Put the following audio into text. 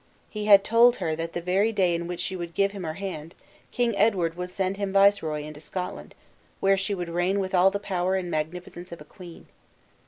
He had told her that the very day in which she would give him her hand, King Edward would send him viceroy into Scotland, where she should reign with all the power and magnificence of a queen.